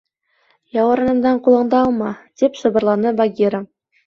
— Яурынымдан ҡулыңды алма, — тип шыбырланы Багира.